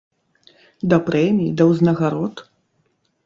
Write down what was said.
Да прэмій, да ўзнагарод?